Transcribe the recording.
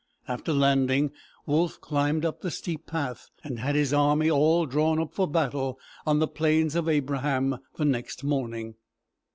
After landing, Wolfe climbed up the steep path, and had his army all drawn up for battle on the Plains of Abraham the next morning.